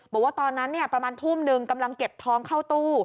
บอกว่าตอนนั้นประมาณทุ่มหนึ่งกำลังเก็บทองเข้าตู้